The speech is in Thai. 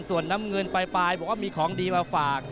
ส่วนน้ำเงินปลายบอกว่ามีของดีมาฝาก